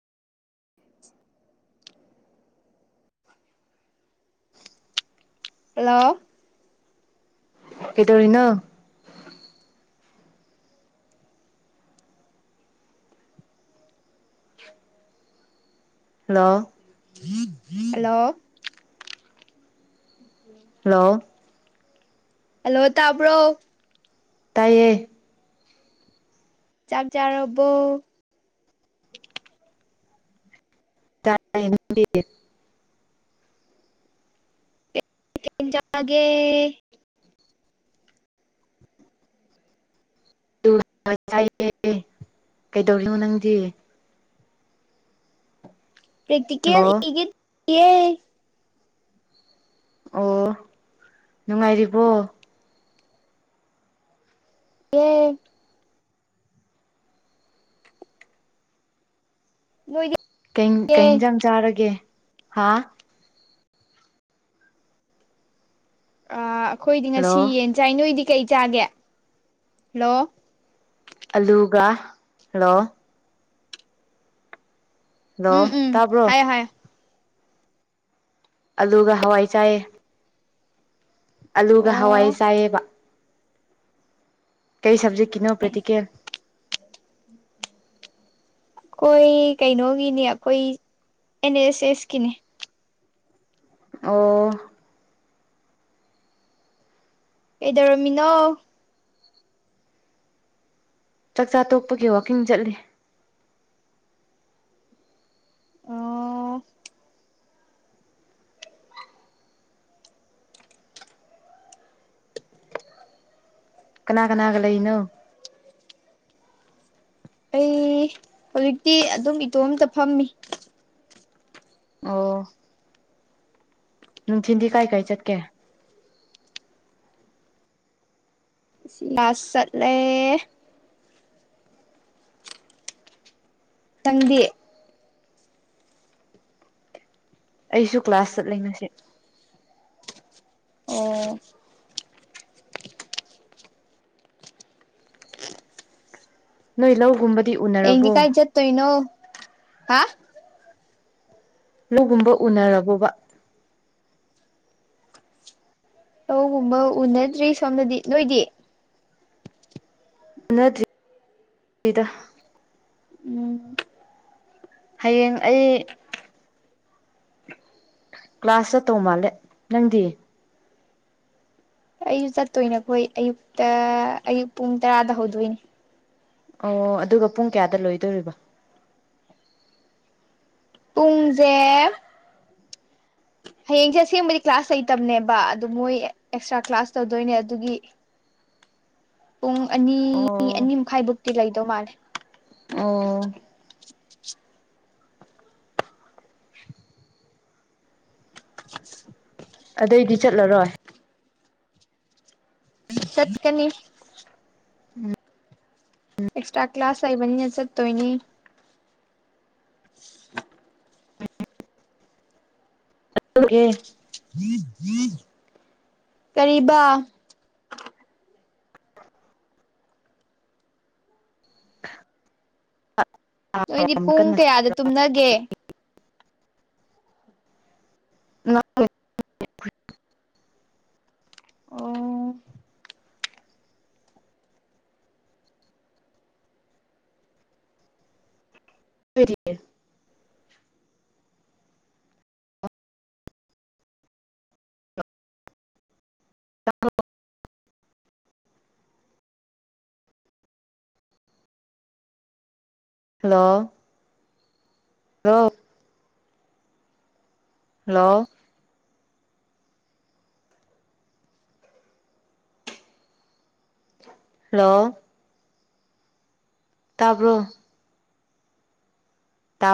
[inaudible] [inaudible] hello ꯀꯩꯗꯧꯔꯤꯅꫭ hello hello hello hello ꯇꯥꯕ꯭ꯔꯣ ꯇꯥꯏꯌꯦ ꯆꯥꯛ ꯆꯥꯔꯕꯣ ꯇꯠ [unintelligible] ꯀꯩ ꯏꯟꯁꯥꯡ ꯆꯥꯒꯦ ꯌꯦ [unintelligible] ꯀꯩꯗꯧꯔꯤꯅꯣ ꯅꯪꯗꯤ ꯄꯦꯛꯇꯤꯀꯦꯜ ꯍꯜꯂꯣ ꯏꯒꯤ ꯇꯧꯔꯤꯌ‌ꯦ ꯑꯣ ꯅꯨꯡꯉꯥꯏꯔꯤꯕꯣ ꯎ [unintelligible] ꯅꫭꯏꯒ ꯀꯩ ꯏꯟꯁꯥꯡ ꯆꯥꯔꯒꯦ ꯍꯥ ꯑꯥ ꯑꯩꯈꯣꯏꯗꯤ ꯍꯜꯂꯣ ꯉꯁꯤ ꯌꯦꯟ ꯆꯥꯏ ꯅꯣꯏꯗꯤ ꯀꯩ ꯆꯥꯒꯦ ꯍꯜꯂꯣ ꯑꯂꯨꯒ ꯍꯜꯂꯣ ꯎꯝ ꯍꯜꯂꯣ ꯎꯝ ꯇꯥꯕ꯭ꯔꯣ ꯍꯥꯏꯌꯣ ꯍꯥꯏꯌꯣ ꯑꯂꯨꯒ ꯍꯋꯥꯏ ꯆꯥꯏꯌ‌ꯦ ꯑꯂꯨꯒ ꯑꯣ ꯍꯋꯥꯏ ꯆꯥꯏꯌꯦꯕ ꯀꯩ ꯁꯕꯖꯦꯛ ꯀꯤꯅꫭ ꯄꯔ‌ꯦꯛꯇꯤꯀꯦꯜ [inaudible] ꯑꯩꯈꯣꯏ ꯀꯩꯅꯣꯒꯤꯅꯤ ꯑꯩꯈꯣꯏ ꯑꯦꯟ ꯑꯦꯁ ꯑꯦꯁꯀꯤꯅ‌‌ꯦ ꯑꯣ ꯀꯩꯗꯧꯔꯝꯃꯤꯅꯣ ꯆꯥꯛꯆꯥ ꯇꯣꯛꯄꯒꯤ ꯋꯥꯀꯤꯡ ꯆꯠꯂꯤ ꯑꯣ ꯀꯅꯥ ꯀꯅꯥꯒ ꯂꯩꯏꯅꯣ ꯑꯩ ꯍꯧꯖꯤꯛꯇꯤ ꯑꯗꯨꯝ ꯏꯇꯣꯝꯇ ꯐꯝꯃꯤ ꯑꯣ ꯅꯨꯡ ꯊꯤꯟꯗꯤ ꯀꯥꯏ ꯀꯥꯏ ꯆꯠꯀ‌ꯦ ꯁꯤ ꯀ꯭ꯂꯥꯁ ꯆꯠꯂꯦ ꯅꯪꯗꯤ ꯑꯩꯁꯨ ꯀ꯭ꯂꯥꯁ ꯆꯠꯂ‌ꯦꯉꯁꯦ ꯑꯣ ꯅꯣꯏ ꯂꯧꯒꯨꯝꯕ ꯍꯥꯌꯦꯡꯗꯤ ꯀꯥꯏ ꯆꯠꯇꯣꯏꯅꯣ ꯍꯥ ꯂꯧꯒꯨꯝꯕ ꯎꯅꯔꯕꯣꯕ ꯂꯧꯒꯨꯝꯕ ꯎꯅꯗ꯭ꯔꯤ ꯁꯣꯝꯅꯗꯤ ꯅꯣꯏꯗꯤ ꯎꯅꯗꯔꯤꯗꯥ ꯎꯝ ꯍꯌꯦꯡ ꯑꯩ ꯀ꯭ꯂꯥꯁ ꯆꯠꯇꯧ ꯃꯥꯜꯂꯦ ꯅꯪꯗꯤ ꯑꯩꯁꯨ ꯆꯠꯇꯣꯏꯅ‌ꯦ ꯑꯩꯈꯣꯏ ꯑꯌꯨꯛꯇ ꯑꯌꯨꯛ ꯄꯨꯡ ꯇꯔꯥꯗ ꯍꯧꯗꯣꯏꯅꯤ ꯑꯣ ꯑꯗꯨꯒ ꯄꯨꯡ ꯀꯌꯥꯗ ꯂꯣꯏꯗꯣꯔꯤꯕꯣ ꯄꯨꯡꯖꯦ ꯍꯌꯦꯡꯁꯦ ꯑꯁꯦꯡꯕꯗꯤ ꯀ꯭ꯂꯥꯁ ꯂꯩꯇꯕꯅꯦꯕ ꯑꯗꯨ ꯃꯣꯏ ꯑꯦꯛꯁꯇ꯭ꯔꯥ ꯀ꯭ꯂꯥꯁ ꯇꯧꯗꯣꯏꯅꯦ ꯑꯗꯨꯒꯤ ꯄꯨꯡ ꯑꯅꯤ ꯑꯣ ꯑꯅꯤ ꯃꯈꯥꯏꯕꯨꯛꯇꯤ ꯂꯩꯗꯧ ꯃꯥꯜꯂꯦ ꯑꯣ [inaudible] [unintelligible] ꯑꯗꯨꯏꯗꯤ ꯆꯠꯂꯔꯣꯏ ꯆꯠ ꯀꯅꯤ ꯎꯝ ꯑꯦꯛꯁꯇ꯭ꯔꯥ ꯀ꯭ꯂꯥꯁ ꯂꯩꯕꯅꯤꯅ ꯆꯠ ꯇꯣꯏꯅꯤ ꯇꯨꯝꯒꯦ ꯀꯔꯤꯕ [inaudible] ꯅꯣꯏꯗꯤ ꯌꯥꯝ ꯄꯨꯡ ꯀꯟꯅ ꯀꯌꯥꯗ ꯇꯨꯝꯅꯒꯦ ꯍꯜꯂꯣ ꯑꯣ ꯔꯤ [unintelligible] ꯑ [unintelligible] ꯍꯜꯂꯣ ꯍꯜꯂꯣ ꯍꯜꯂꯣ ꯍꯜꯂꯣ ꯇꯥꯕ꯭ꯔꯣ ꯇꯥ